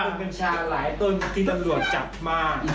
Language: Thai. มันบัญชาหลายต้นที่ตำรวจจับมา